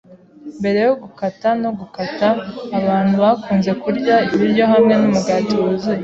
Mbere yo gukata no gukata, abantu bakunze kurya ibiryo hamwe numugati wuzuye.